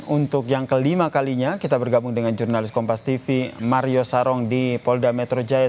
untuk yang kelima kalinya kita bergabung dengan jurnalis kompas tv mario sarong di polda metro jaya